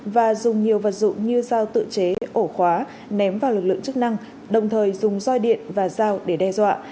và dùng nhiều vật dụng như dao tự chế ổ khóa ném vào lực lượng chức năng đồng thời dùng roi điện và dao để đe dọa